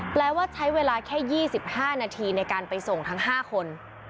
แปลว่าใช้เวลาแค่๒๕นาทีในการไปส่งทั้ง๕คน